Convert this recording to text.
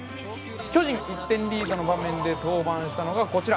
巨人１点リードの場面で登板したのがこちら。